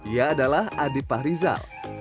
ia adalah adipah rizal